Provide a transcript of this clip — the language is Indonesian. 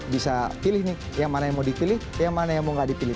bisa pilih nih yang mana yang mau dipilih yang mana yang mau gak dipilih